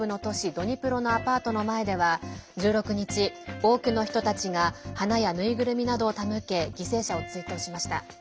ドニプロのアパートの前では１６日、多くの人たちが花や縫いぐるみなどを手向け犠牲者を追悼しました。